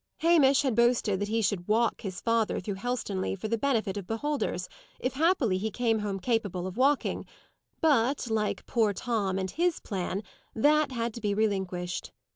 Hamish had boasted that he should walk his father through Helstonleigh for the benefit of beholders, if happily he came home capable of walking; but, like poor Tom and his plan, that had to be relinquished.